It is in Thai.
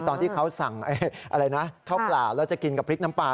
ตอนที่เขาสั่งอะไรนะข้าวเปล่าแล้วจะกินกับพริกน้ำปลา